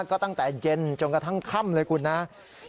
ก็ตั้งแต่เย็นจนกระทั้งครั้งเลยครับ